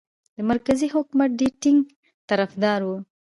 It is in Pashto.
د مرکزي حکومت ډېر ټینګ طرفدار وو.